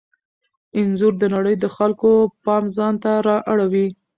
انځور د نړۍ د خلکو پام ځانته را اړوي.